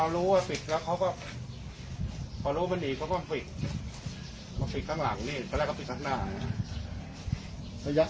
ต้องมีแหละแต่นี้มะครับพอพอรู้ว่า